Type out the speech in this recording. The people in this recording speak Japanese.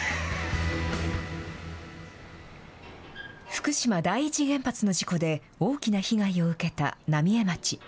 福島第一原発の事故で、大きな被害を受けた浪江町。